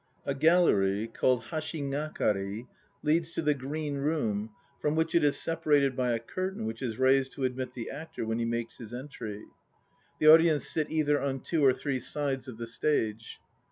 A gallery (called hashigakari) leads to the green room, from which it is separated by a curtain which is raised to admit the actor when he makes his entry. The audience sit either on two or three sides of the stage.